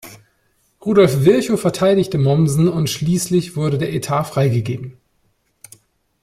Rudolf Virchow verteidigte Mommsen und schließlich wurde der Etat freigegeben.